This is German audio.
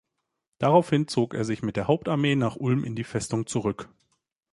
Daraufhin zog er sich mit der Hauptarmee nach Ulm in die Festung zurück.